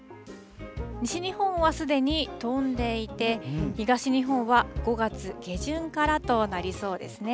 西日本はすでに飛んでいて、東日本は５月下旬からとなりそうですね。